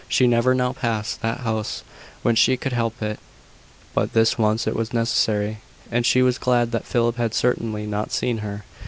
She never now passed that house when she could help it: but this once it was necessary; and she was glad that Philip had certainly not seen her.